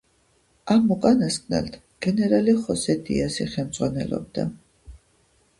ამ უკანასკნელთ გენერალი ხოსე დიასი ხელმძღვანელობდა.